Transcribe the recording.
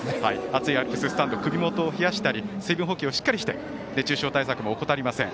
暑いアルプススタンド首元を冷やしたり水分補給をしっかりして熱中症対策を怠りません。